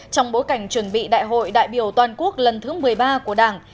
trong bối cảnh chuẩn bị đại hội đại biểu toàn quốc lần thứ một mươi ba của đảng